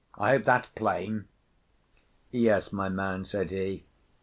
I hope that's plain!" "Yes, my man," said he.